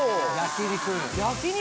焼肉。